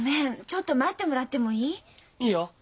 ちょっと待ってもらってもいい？いいよ。